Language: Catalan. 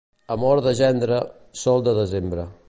Amor de gendre, sol de desembre.